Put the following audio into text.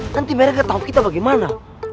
nanti mereka tahu kita bagaimana